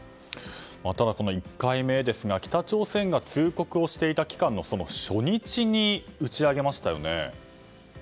ただ、この１回目ですが北朝鮮が通告していた期間のその初日に打ち上げましたよね。